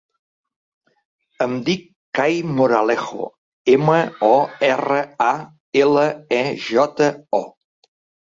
Em dic Cai Moralejo: ema, o, erra, a, ela, e, jota, o.